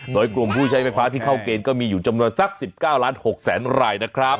โดยกลุ่มผู้ใช้ไฟฟ้าที่เข้าเกณฑ์ก็มีอยู่จำนวนสัก๑๙ล้าน๖แสนรายนะครับ